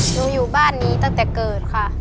อยู่บ้านนี้ตั้งแต่เกิดค่ะ